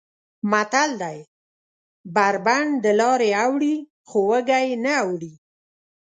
متل دی: بر بنډ دلارې اوړي خو وږی نه اوړي.